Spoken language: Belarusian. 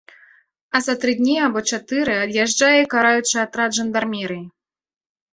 А за тры дні або чатыры ад'язджае і караючы атрад жандармерыі.